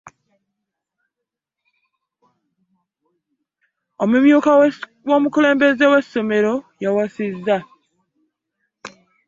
Omumyuka w'omukulembeze w'essomero yawasizza.